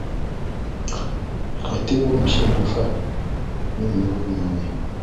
Khatib Mshindo Faki ni mvuvi kutoka Kiuyu Mbuyuni